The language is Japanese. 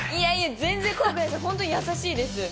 全然怖くないです、優しいです。